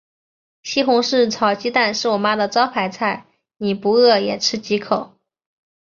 西红柿炒鸡蛋是我妈的招牌菜，你不饿也吃几口。